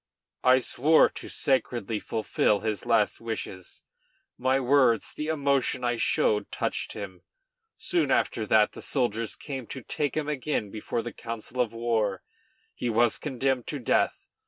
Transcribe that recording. I swore to sacredly fulfil his last wishes. My words, the emotion I showed touched him. Soon after that the soldiers came to take him again before the council of war. He was condemned to death.